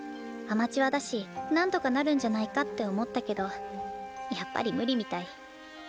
アマチュアだし何とかなるんじゃないかって思ったけどやっぱり無理みたい。